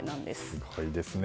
すごいですね。